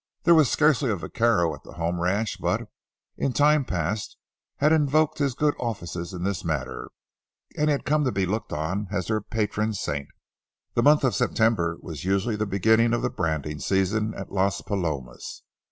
There was scarcely a vaquero at the home ranch but, in time past, had invoked his good offices in this matter, and he had come to be looked on as their patron saint. The month of September was usually the beginning of the branding season at Las Palomas.